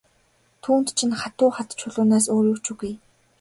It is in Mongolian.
Түүнд чинь хатуу хад чулуунаас өөр юу ч үгүй.